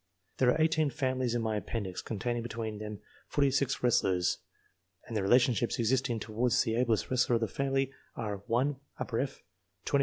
There are eighteen families in my Appendix, containing between them forty six wrestlers, and the relationships existing towards the ablest wrestler of the family are 1 F, 21 B, 7 S, and 1 n.